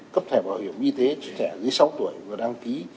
cấp thẻ bảo hiểm y tế cho trẻ dưới sáu tuổi và đăng ký